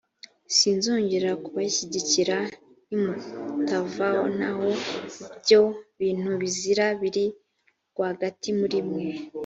sinzongera kubashyigikira, nimutavanaho ibyo bintu bizira biri rwagati muri mwe.